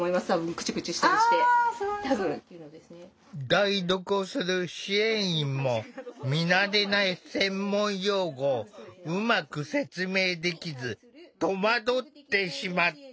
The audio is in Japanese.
代読をする支援員も見慣れない専門用語をうまく説明できず戸惑ってしまった。